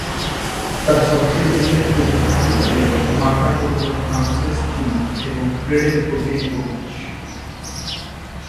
তার সবচেয়ে উল্লেখযোগ্য ছাত্র ছিলেন মারকানটোনিও ফ্রান্সেসচিনি এবং ফেডেরিকো বেনকোভিচ।